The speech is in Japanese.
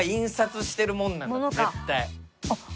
絶対。